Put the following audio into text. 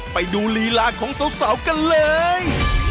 ไปดูลีลาของสาวกันเลย